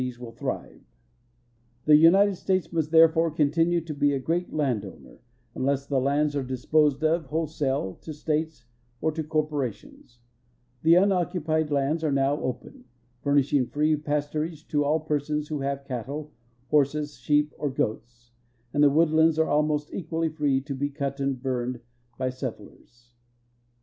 '^c will thrive. The United 184 THE NA TIONA L FOREST RESER 1 'ES States must therefore continue to be a great landowner, unless the lands are disposed of wholesale to states or to C()r])orations. The unoccupied lands are now open, furnishing free pasturage to all persons who have cattle, horses, sheep, or goats, and the woodlands are almost equally free to be cut and burned by set tlers.